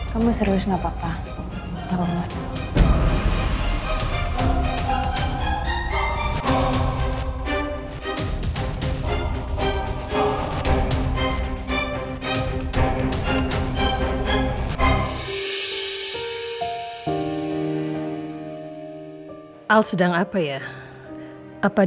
kamu serius enggak papa